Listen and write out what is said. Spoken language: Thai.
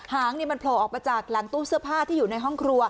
หางมันโผล่ออกมาจากหลังตู้เสื้อผ้าที่อยู่ในห้องครัว